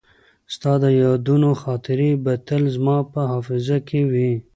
ستا د یادونو خاطرې به تل زما په حافظه کې وي.